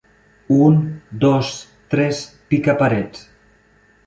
Un, dos, tres, pica parets